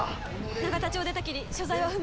永田町を出たきり所在は不明のままです。